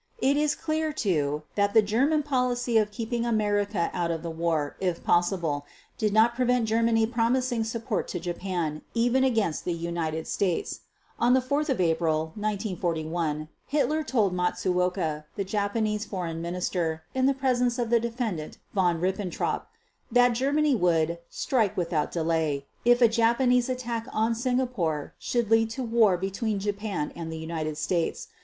It is clear, too, that the German policy of keeping America out of the war, if possible, did not prevent Germany promising support to Japan even against the United States. On 4 April 1941 Hitler told Matsuoka, the Japanese Foreign Minister, in the presence of the Defendant Von Ribbentrop, that Germany would "strike without delay" if a Japanese attack on Singapore should lead to war between Japan and the United States.